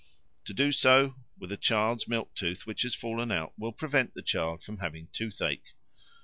To do so with a child's milk tooth which has fallen out will prevent the child from having toothache.